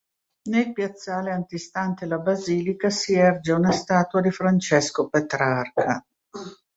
Nel piazzale antistante la basilica, si erge una statua di Francesco Petrarca.